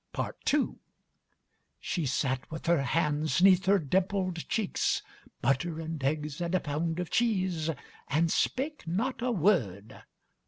PART II She sat with her hands ŌĆÖneath her dimpled cheeks, (Butter and eggs and a pound of cheese) And spake not a word.